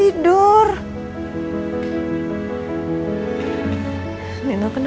ibu tuh apa tadi